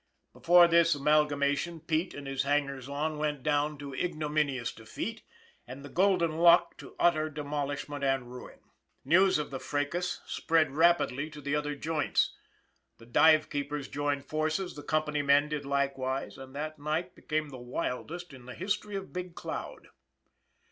Before this amalgama tion, Pete and his hangers on went down to ignomini ous defeat, and the " Golden Luck," to utter demolish ment and ruin. News of the fracas spread rapidly to the other " joints." The dive keepers joined forces, the company men did likewise, and that night became the wildest in the history of Big Cloud.